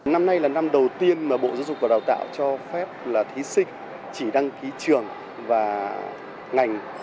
năm nay là năm đầu tiên mà bộ giáo dục và đào tạo cho phép là thí sinh chỉ đăng ký trường và ngành